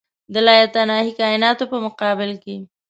د لایتناهي کایناتو په مقابل کې.